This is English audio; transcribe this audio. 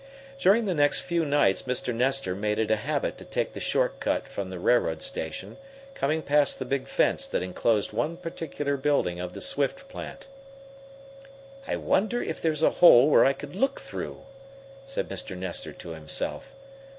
During the next few nights Mr. Nestor made it a habit to take the short cut from the railroad station, coming past the big fence that enclosed one particular building of the Swift plant. "I wonder if there's a hole where I could look through," said Mr. Nestor to himself.